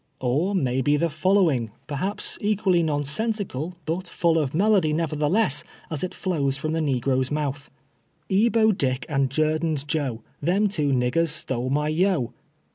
Or, Tnay be the following, perhaps, equally nonsen sical, but full of melotly, nevertheless, ixs, it flows from the negro's mouth :" Ebo Dick and Jurdan's Jo, Them two niggers stole m}' yo'.